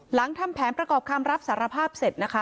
ทำแผนประกอบคำรับสารภาพเสร็จนะคะ